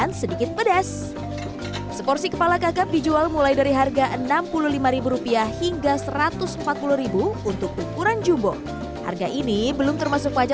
rekomendasi sajian kepala ikan yang disediakan oleh kepala ikan lainnya ada di jalan perak timur surabaya